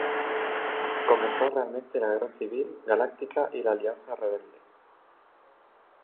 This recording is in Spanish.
Comenzó realmente la Guerra Civil Galáctica y la Alianza Rebelde.